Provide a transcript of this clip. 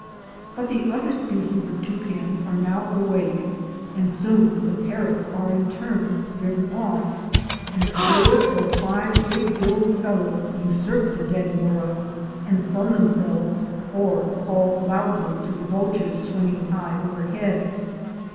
But the other species of Toucans are now awake and soon the Parrots are in turn driven off, and four or five big billed fellows usurp the dead Mora and sun themselves or call loudly to the Vul tures swinging high overhead.